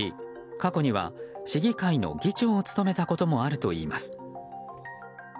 過去には市議会の議長を務めたこともあるといいます。